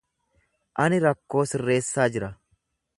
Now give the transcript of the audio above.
Ani rakkoo sirreessaa jira.